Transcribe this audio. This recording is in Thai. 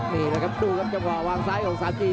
นี่แหละครับดูครับจังหวะวางซ้ายของสาจี